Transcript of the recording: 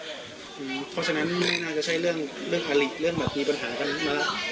เพราะฉะนั้นไม่น่าจะใช่เรื่องผลิตเรื่องแบบมีปัญหากันมา